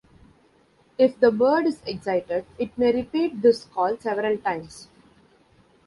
If the bird is excited, it may repeat this call several times.